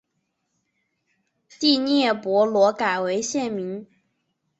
第聂伯罗改为现名。